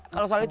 kalau soal itu